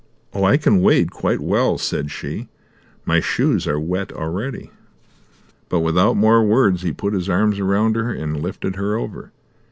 "Oh, I can wade quite well," said she. "My shoes are wet already." But without more words he put his arms round her, and lifted her over.